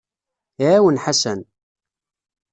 Iɛawen Ḥasan.